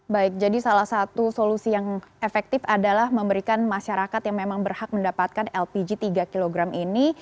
baik jadi salah satu solusi yang efektif adalah memberikan masyarakat yang memang berhak mendapatkan lpg tiga kg ini